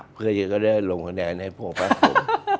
เพื่อที่จะได้ลงแผนในพวกพระภพ